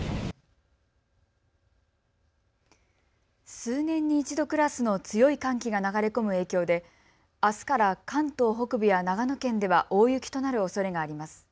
数年に一度クラスの強い寒気が流れ込む影響であすから関東北部や長野県では大雪となるおそれがあります。